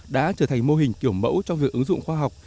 đã trở thành mô hình kiểu mẫu trong việc ứng dụng khoa học